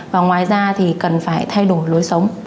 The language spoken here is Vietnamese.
và ngoài ra thì cần phải thay đổi lối sống